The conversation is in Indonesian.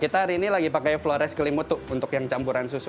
kita hari ini lagi pakai flores kelimut tuh untuk yang campuran susu